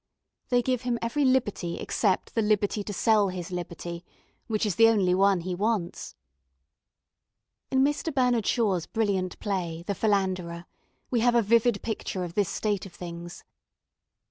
They give him every liberty except the liberty to sell his liberty, which is the only one that he wants. In Mr. Bernard Shaw's brilliant play 'The Philanderer,' we have a vivid picture of this state of things.